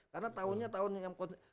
karena tahunnya tahun yang